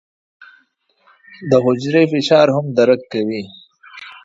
دا حجرې فشار هم درک کوي.